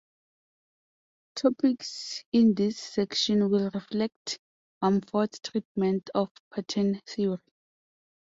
Topics in this section will reflect Mumford's treatment of Pattern Theory.